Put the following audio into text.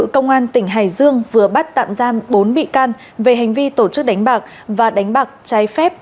công an tỉnh hải dương vừa bắt tạm giam bốn bị can về hành vi tổ chức đánh bạc và đánh bạc trái phép